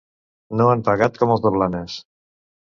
No han pagat, com els de Blanes.